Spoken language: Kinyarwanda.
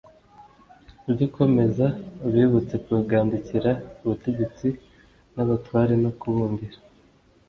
Ujye ukomeza ubibutse kugandukiraa ubutegetsi n abatware no kubumvira